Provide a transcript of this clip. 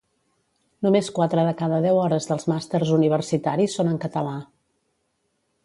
Només quatre de cada deu hores dels màsters universitaris són en català